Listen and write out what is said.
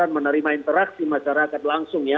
menerima interaksi masyarakat langsung ya